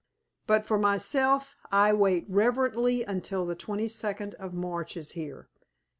But for myself I wait reverently until the 22nd of March is here.